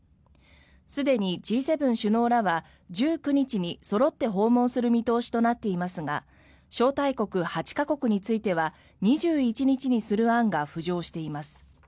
すでにＧ７首脳らは１９日にそろって訪問する見通しとなっていますが招待国８か国については２１日にする案が浮上しています。